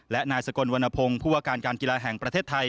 และนายสกลวรรณพงศ์ผู้ว่าการการกีฬาแห่งประเทศไทย